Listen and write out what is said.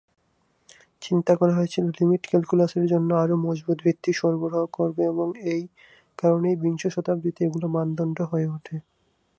চিন্তা করা হয়েছিল লিমিট ক্যালকুলাসের জন্য আরও মজবুত ভিত্তি সরবরাহ করবে এবং এই কারণেই বিংশ শতাব্দীতে এগুলো মানদণ্ড হয়ে ওঠে।